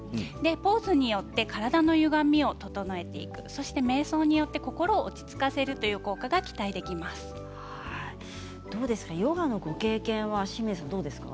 ポーズによって体のゆがみを整えていくそしてめい想によって心を落ち着かせるヨガの経験はどうですか？